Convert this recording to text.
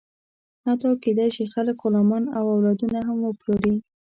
حتی کېدی شي، خلک غلامان او اولادونه هم وپلوري.